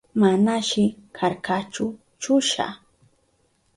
Manashi karkachu chusha.